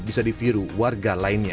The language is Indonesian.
bisa diviru warga lainnya